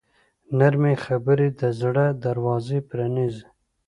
نرمې خبرې د زړه دروازې پرانیزي.